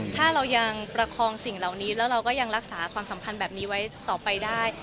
ถ้าเรายังประคองสิ่งเหล่านี้แล้วเราก็ยังรักษาความสัมพันธ์แบบนี้ไว้ต่อไปได้